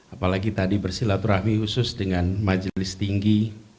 apalagi tadi bersilaturahmi khusus dengan majelis tinggi